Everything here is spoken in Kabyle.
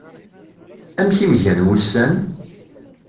Amek i m-gan wussan?